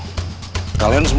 kalian semua harus lindungi saya